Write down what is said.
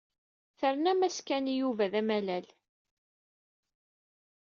Ternam-as Ken i Yuba d amalal.